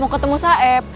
mau ketemu saeb